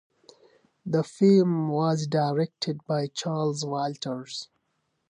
The film was directed by Charles Walters.